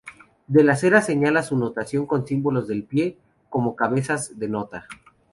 De las Heras señala su notación con símbolos del pie, como cabezas de nota.